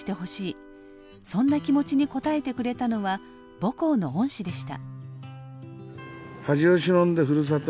そんな気持ちに応えてくれたのは母校の恩師でした。